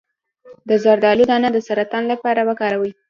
د زردالو دانه د سرطان لپاره وکاروئ